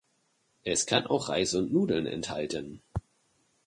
Es kann auch Reis und Nudeln enthalten.